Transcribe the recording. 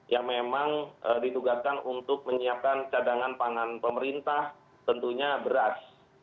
yang memang ditugaskan untuk menyiapkan cadangan pangan pemerintah tentunya beras